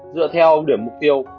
dựa theo điểm mục tiêu